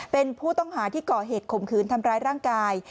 เป็นผู้ต้องหาที่ก่อเหตุข่มขืนทำร้ายร่างกาย